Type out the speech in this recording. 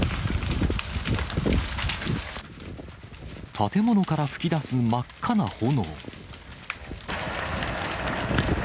建物から噴き出す真っ赤な炎。